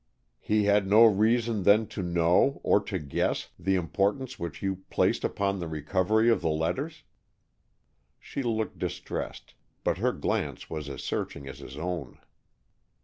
"He had no reason then to know or to guess the importance which you placed upon the recovery of the letters?" She looked distressed, but her glance was as searching as his own.